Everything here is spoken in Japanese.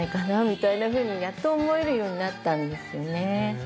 みたいな風にやっと思えるようになったんですね。